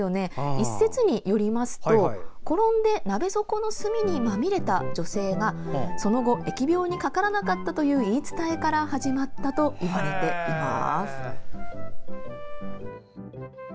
一説によると転んで鍋底の炭にまみれた女性がその後、疫病にかからなかったという言い伝えから始まったといわれています。